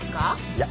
いや。